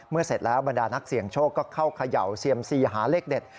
เสร็จแล้วบรรดานักเสี่ยงโชคก็เข้าเขย่าเซียมซีหาเลขเด็ด